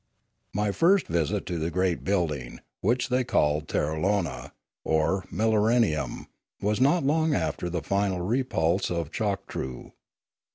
My first visit to the great building, which they called Terralona, or millenarium, was not long after the final repulse of Choktroo.